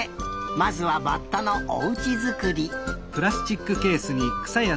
まずはバッタのおうちづくり。